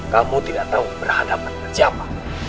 kamu tidak tahu berhadapan dengan siapa